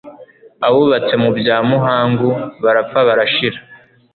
Abubatse mu bya Muhangu barapfa barashira;